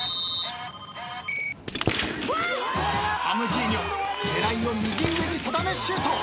［タムジーニョ狙いを右上に定めシュート］